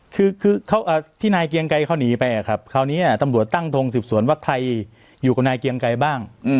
คือที่นายเกียงไกรเขาหนีไปครับคราวนี้ตำรวจตั้งทงสืบสวนว่าใครอยู่กับนายเกียงไกรบ้าง